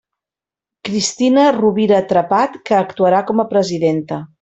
Cristina Rovira Trepat, que actuarà com a presidenta.